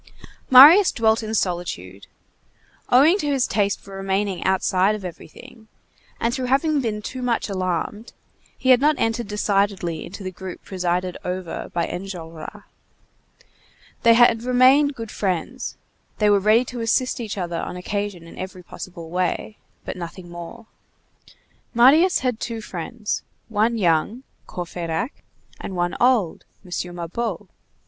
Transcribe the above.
Marius dwelt in solitude. Owing to his taste for remaining outside of everything, and through having been too much alarmed, he had not entered decidedly into the group presided over by Enjolras. They had remained good friends; they were ready to assist each other on occasion in every possible way; but nothing more. Marius had two friends: one young, Courfeyrac; and one old, M. Mabeuf.